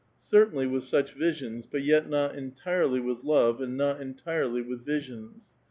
Cer tainly with such visions, but yet not entirely with love and not entirely with viBions.